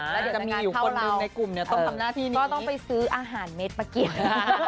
แล้วเดี๋ยวในการเข้าเราก็ต้องไปซื้ออาหารเม็ดเมื่อกี้นะฮ่า